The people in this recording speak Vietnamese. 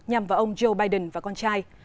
nhằm vào ông joe biden và con trai